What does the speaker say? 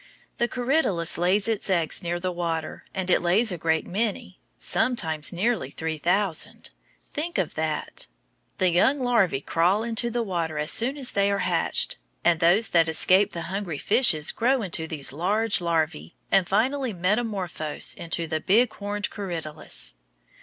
The corydalus lays its eggs near the water, and it lays a great many sometimes nearly three thousand. Think of that! The young larvæ crawl into the water as soon as they are hatched, and those that escape the hungry fishes grow into these large larvæ and finally metamorphose into the big horned corydalus.